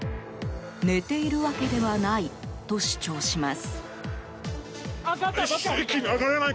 寝ているわけではないと主張します。